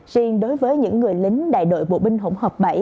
riêng đối với những người lính đại đội bộ binh hỗn hợp bảy